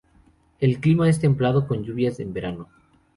El clima es templado con lluvias en verano.